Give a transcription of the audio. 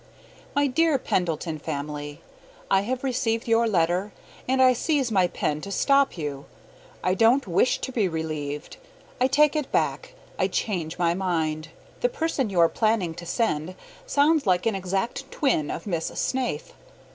My dear Pendleton Family: I have received your letter, and I seize my pen to stop you. I don't wish to be relieved. I take it back. I change my mind. The person you are planning to send sounds like an exact twin of Miss Snaith.